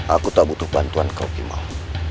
aku tak butuh bantuan kau ki mau